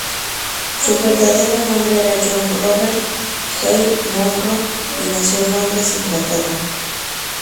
Su verdadero nombre era John Robert Hale-Monro y nació en Londres, Inglaterra.